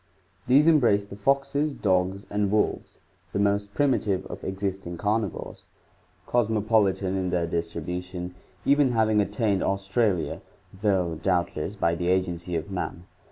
— These embrace the foxes, dogs and wolves, the most prim itive of existing carnivores, cosmopolitan in their distribution, even having attained Australia, though doubtless by the agency of man.